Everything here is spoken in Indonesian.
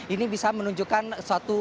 ini bisa menunjukkan suatu